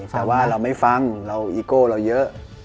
แต่ว่าเราไม่ฟังเราอีโก้เราเยอะ